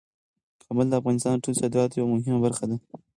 کابل د افغانستان د ټولو صادراتو یوه مهمه برخه ده.